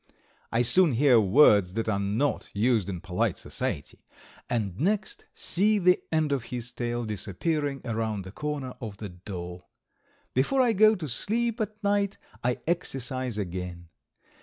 I soon hear words that are not used in polite society, and next see the end of his tail disappearing around the corner of the door. Before I go to sleep at night I exercise again.